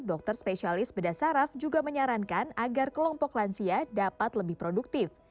dokter spesialis bedah saraf juga menyarankan agar kelompok lansia dapat lebih produktif